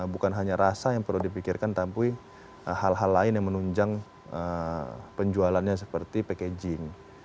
bukan hanya rasa yang perlu dipikirkan tapi hal hal lain yang menunjang penjualannya seperti packaging